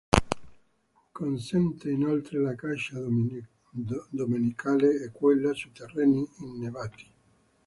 Consente inoltre la caccia domenicale e quella su terreni innevati.